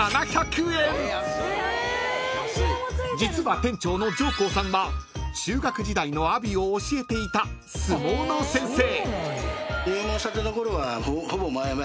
［実は店長の常光さんは中学時代の阿炎を教えていた相撲の先生］